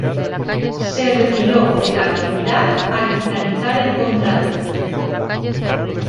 Se retiró de la actividad al finalizar el contrato.